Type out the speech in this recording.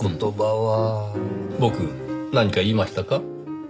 僕何か言いましたか？